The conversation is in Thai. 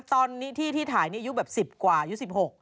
ตอนนี้ที่ที่ถ่ายนี่อายุแบบ๑๐กว่าอายุ๑๖